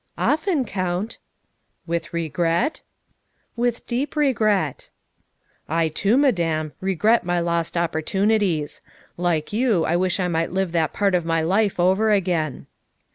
" Often, Count." " With regret?" " With deep regret." " I too, Madame, regret my lost opportunities. Like you, I wish I might live that part of my life over again."